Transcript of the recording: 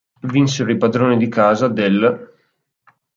Vinsero i padroni di casa dell'.